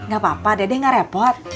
gak apa apa dede nggak repot